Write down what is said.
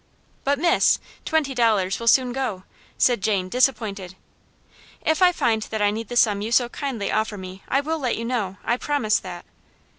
"But, miss, twenty dollars will soon go," said Jane, disappointed. "If I find that I need the sum you so kindly offer me, I will let you know, I promise that."